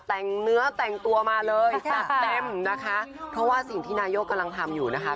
แต่งเนื้อแต่งตัวมาเลยจัดเต็มนะคะเพราะว่าสิ่งที่นายกกำลังทำอยู่นะคะ